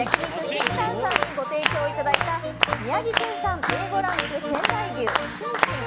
ＫＩＮＴＡＮさんにご提供いただいた宮城県産Ａ５ランク仙台牛シンシン